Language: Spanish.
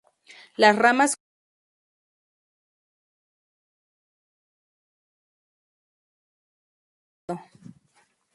Las ramas jóvenes pubescentes o glabras con menos frecuencia, en ángulo visible y acanalado.